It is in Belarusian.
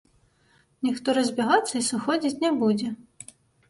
Ніхто разбягацца і сыходзіць не будзе.